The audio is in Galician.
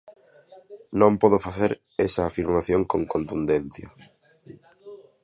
Non podo facer esa afirmación con contundencia.